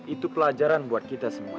itu pelajaran buat kita semua